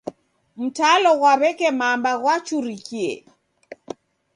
Mtalo ghwa w'eke mamba ghwachurikie.